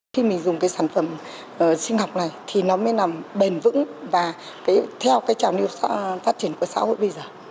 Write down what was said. khi mình dùng cái sản phẩm sinh học này thì nó mới nằm bền vững và theo cái trào niu phát triển của xã hội bây giờ